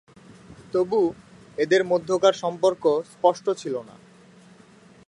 তবু এদের মধ্যেকার সম্পর্ক স্পষ্ট ছিল না।